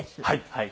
はい。